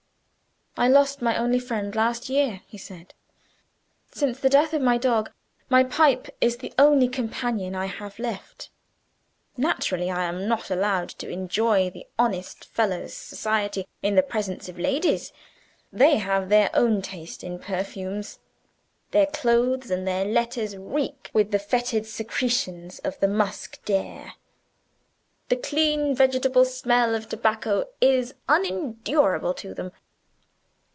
"I lost my only friend last year," he said. "Since the death of my dog, my pipe is the one companion I have left. Naturally I am not allowed to enjoy the honest fellow's society in the presence of ladies. They have their own taste in perfumes. Their clothes and their letters reek with the foetid secretion of the musk deer. The clean vegetable smell of tobacco is unendurable to them.